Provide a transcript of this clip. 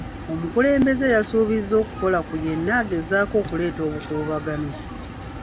Omukulembeze yasuubiza okukola ku yenna agezaako okuleeta obukuubagano.